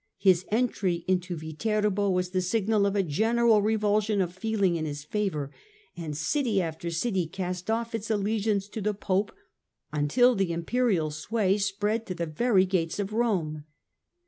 His entry into Viterbo was the signal for a general revulsion of feeling in his favour, and city after city cast off its allegiance to the Pope until the Imperial sway spread to the very gates of Rome.